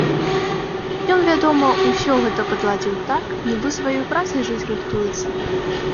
Ён, вядома, усё гэта падладзіў так, нібы сваёй працай жыць рыхтуецца.